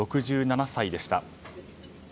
６７歳でした。